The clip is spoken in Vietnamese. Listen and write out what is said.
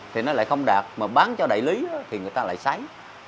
thì nó lại không đạt mà bán cho đại lý thì người ta lại sánh